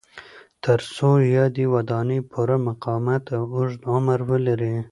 ترڅو یادې ودانۍ پوره مقاومت او اوږد عمر ولري.